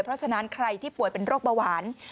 เพราะฉะนั้นใครที่ป่วยเป็นโรคเบาหวาน